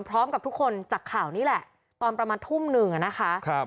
พร้อมกับทุกคนจากข่าวนี้แหละตอนประมาณทุ่มหนึ่งอะนะคะ